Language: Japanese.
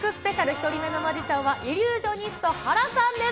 １人目のマジシャンは、イリュージョニスト、ハラさんです。